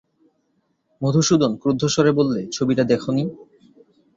মধুসূদন ক্রুদ্ধস্বরে বললে, ছবিটা দেখ নি!